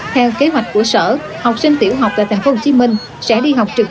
theo kế hoạch của sở học sinh tiểu học tại thành phố hồ chí minh sẽ đi học trực